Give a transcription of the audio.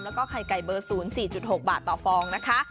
แล้วก็ไข่ไก่เบอร์๐๔๖บาทต่อฟองนะคะ